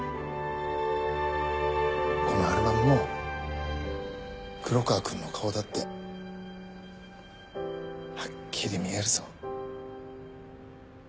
このアルバムも黒川君の顔だってはっきり見えるぞ。